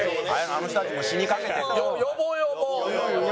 「あの人たち死にかけてる」とか。